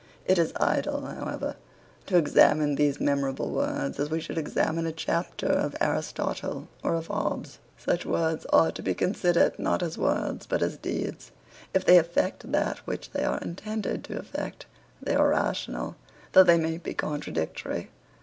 It is idle, however, to examine these memorable words as we should examine a chapter of Aristotle or of Hobbes. Such words are to be considered, not as words, but as deeds. If they effect that which they are intended to effect, they are rational, though they may be contradictory.